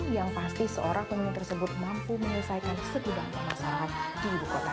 yang pasti seorang pemimpin tersebut mampu menyelesaikan setidaknya masalah di ibu kota